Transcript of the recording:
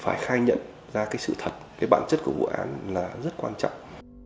phải khai nhận ra cái sự thật cái bản chất của vụ án là rất quan trọng